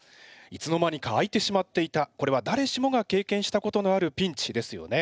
いつの間にか開いてしまっていたこれはだれしもが経験したことのあるピンチですよね。